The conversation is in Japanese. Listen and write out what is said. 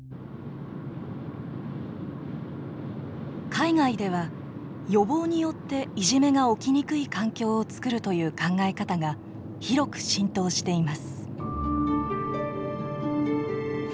海外では予防によっていじめが起きにくい環境を作るという考え方が広く浸透しています。